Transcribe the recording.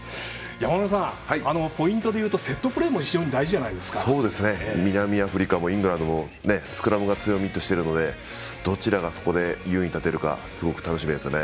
山村さん、ポイントでいうとセットプレーも南アフリカもイングランドもスクラムを強みとしているのでどちらが優位に立てるかすごく楽しみですね。